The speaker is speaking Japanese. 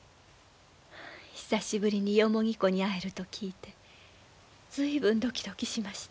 久しぶりに子に会えると聞いて随分ドキドキしました。